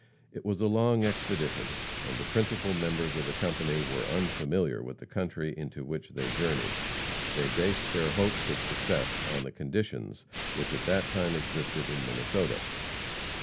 It was a long expedition, and the principal members of the company were unfamiliar with the country into which they journeyed. They based their hopes of success on the conditions which at that time existed in Minnesota.